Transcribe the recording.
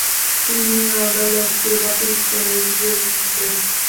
তিনি আদালতকে বাতিল করে বিয়ে ভেঙ্গে দেন।